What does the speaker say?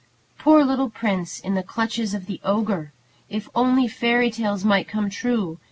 Poor little prince in the clutches of the ogre! If only fairy tales might be true!